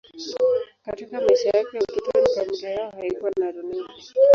Katika maisha yake ya utotoni, familia yao haikuwa na runinga.